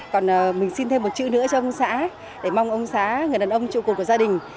còn mình xin thêm một chữ nữa cho ông xã để mong ông xã người đàn ông trụ cục của gia đình